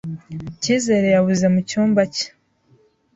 Cyizere yabuze mu cyumba cye.